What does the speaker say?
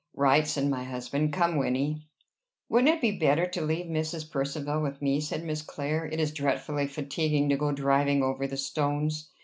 "Right," said my husband. "Come, Wynnie." "Wouldn't it be better to leave Mrs. Percivale with me?" said Miss Clare. "It is dreadfully fatiguing to go driving over the stones."